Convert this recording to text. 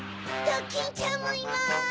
ドキンちゃんもいます！